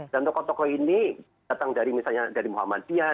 tokoh tokoh ini datang dari misalnya dari muhammadiyah